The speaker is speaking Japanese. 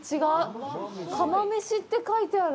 「釜めし」って書いてある。